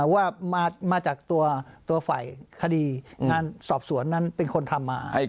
ว่ามาจากตัวฝ่ายคดีงานสอบสวนนั้นเป็นคนทำมา